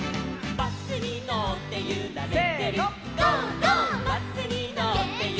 「バスにのってゆられてる」せの！